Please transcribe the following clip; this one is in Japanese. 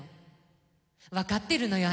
わかってるのよ